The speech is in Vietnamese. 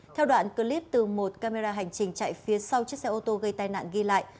theo đoạn clip từ một camera hành trình chạy phía sau chiếc xe ô tô gây tai nạn ghi lại